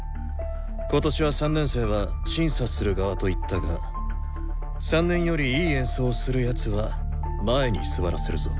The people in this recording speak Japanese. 今年は３年生は審査する側と言ったが３年よりいい演奏をする奴は前に座らせるぞ。